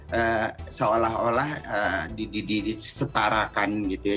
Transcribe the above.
jadi seolah olah disetarakan gitu ya